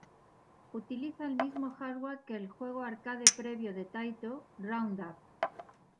Utiliza el mismo hardware que el juego arcade previo de Taito, Round-Up.